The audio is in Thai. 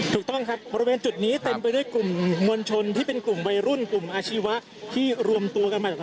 ถูกต้องครับบริเวณจุดนี้เต็มไปด้วยกลุ่มมวลชนที่เป็นกลุ่มวัยรุ่นกลุ่มอาชีวะที่รวมตัวกันมาจาก